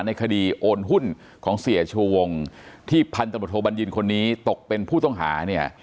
ในคดีโอนหุ้นของเสียชูวงที่พันธบทโทบัญญินคนนี้ตกเป็นผู้ต้องหาเนี่ย